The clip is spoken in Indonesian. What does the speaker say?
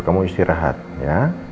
kamu istirahat ya